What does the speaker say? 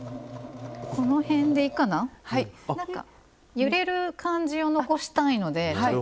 揺れる感じを残したいのでちょっと。